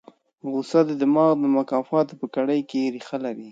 غوسه د دماغ د مکافاتو په کړۍ کې ریښه لري.